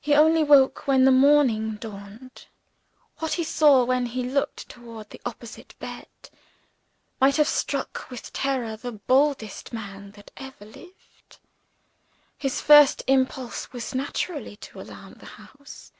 He only woke when the morning dawned. What he saw when he looked toward the opposite bed might have struck with terror the boldest man that ever lived. His first impulse was naturally to alarm the house.